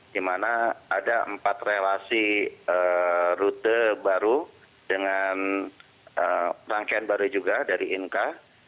di mana ada empat relasi rute baru dengan rangkaian baru juga dari inka